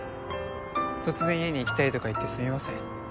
突然家に行きたいとか言ってすみません